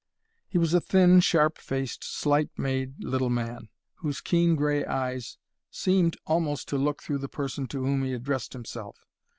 He was a thin, sharp faced, slight made little man, whose keen grey eyes seemed almost to look through the person to whom he addressed himself.